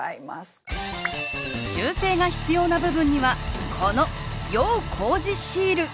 修正が必要な部分にはこの要工事シール